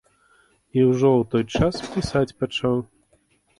І ўжо ў той час пісаць пачаў.